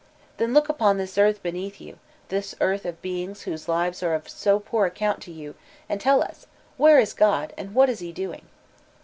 Then k)ok upon this earth beneath you, this earth of beings whose Kves are of so poor account to you, and tell us, where i$ God and whai is he doing?